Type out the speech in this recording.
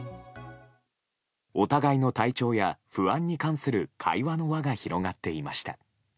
お互いの体調や不安に関する会話の輪が広がっていました。